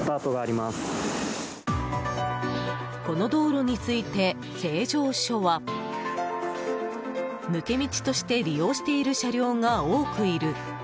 この道路について、成城署は抜け道として利用している車両が多くいる。